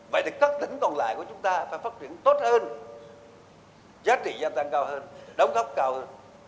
vậy thì các tỉnh còn lại của chúng ta phải phát triển tốt hơn giá trị gia tăng cao hơn đóng góp cao hơn